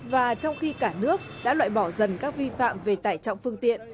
và trong khi cả nước đã loại bỏ dần các vi phạm về tải trọng phương tiện